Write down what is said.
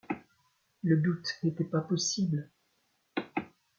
Le doute n’était pas possible !